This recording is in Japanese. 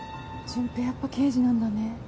淳平やっぱ刑事なんだね。